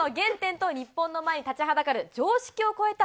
その強さの原点と日本の前に立ちはだかる常識を超えた